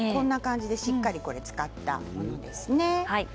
しっかり漬かったものですね。